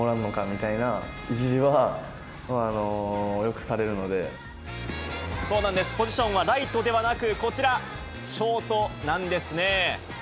みたいないじりは、よくされるのそうなんです、ポジションはライトではなく、こちら、ショートなんですね。